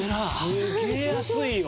すげえ熱いよ。